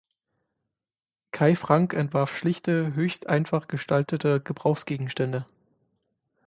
Kaj Franck entwarf schlichte, höchst einfach gestaltete Gebrauchsgegenstände.